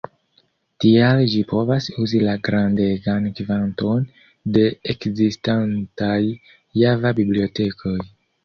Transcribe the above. Tial ĝi povas uzi la grandegan kvanton de ekzistantaj Java-bibliotekoj.